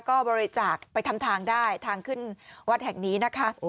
ก็บริจาคไปทำทางได้ทางขึ้นวัดแห่งนี้นะคะ